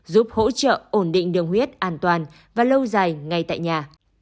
giúp hỗ trợ ổn định đường huyết an toàn và lâu dài ngay tại nhà